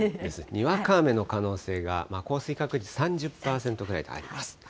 にわか雨の可能性が、降水確率３０％ぐらいとあります。